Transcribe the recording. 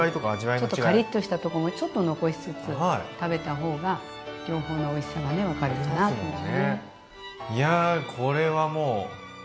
ちょっとカリッとしたとこもちょっと残しつつ食べた方が両方のおいしさがね分かるかなと思うね。